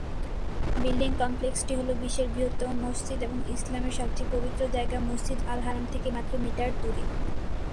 Building কমপ্লেক্সটি হল বিশ্বের বৃহত্তম মসজিদ এবং ইসলামের সবচেয়ে পবিত্র জায়গা মসজিদ আল হারাম থেকে মাত্র মিটার দূরে।